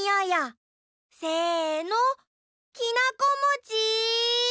せのきなこもち？